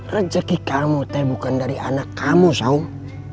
rezeki kamu tapi bukan dari anak kamu saung